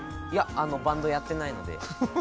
いやバンドやってないので。